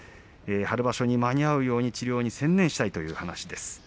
春場所に間に合うように治療に専念したいという話です。